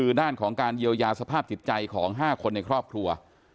เป็นภาพจิตใจของ๕คนในครอบครัว